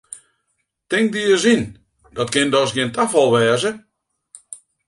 Tink dy ris yn, dat kin dochs gjin tafal wêze!